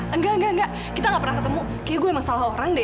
enggak enggak kita gak pernah ketemu kayaknya gue emang salah orang deh